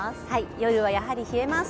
夜は、やはり冷えます。